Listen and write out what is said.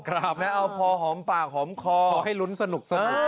แล้วเอาพอหอมปากหอมคอให้ลุ้นสนุก